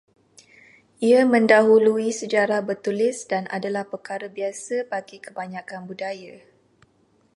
Ia mendahului sejarah bertulis dan adalah perkara biasa bagi kebanyakan budaya